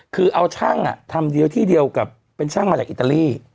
คือเอาช่างทำเดียวที่เดียวกับเป็นช่างมาจากอิตาลี